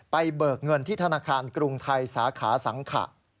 เบิกเงินที่ธนาคารกรุงไทยสาขาสังขะ